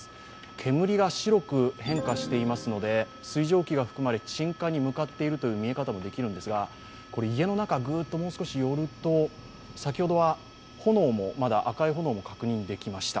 煙が白く変化していますので、水蒸気が含まれ、鎮火に近づいているということで、見え方もできるんですが、家の中ぐーっともう少し寄ると先ほどはまだ赤い炎も確認できました。